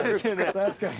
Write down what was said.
確かに。